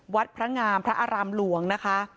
พระงามพระอารามหลวงนะคะ